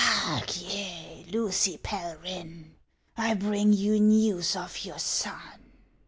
" Hark ye, Lucy Pelryhn, I bring you news of your son."